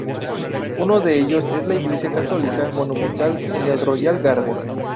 Uno de ellos es la Iglesia Católica Monumental en el Royal Garden.